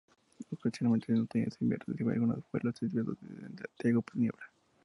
Ocasionalmente, en otoño e invierno, recibe algunos vuelos desviados desde Santiago por niebla.